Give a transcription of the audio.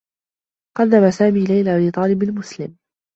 قدّم سامي ليلى لطالب مسلم.